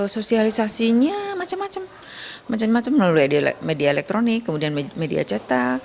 sosialisasinya macam macam melalui media elektronik kemudian media cetak